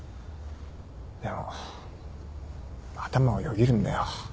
でも頭をよぎるんだよ。